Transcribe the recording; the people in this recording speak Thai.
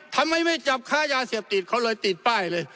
ทำไมไม่จับค้ายาเสพติดเขาเลยติดป้ายเลย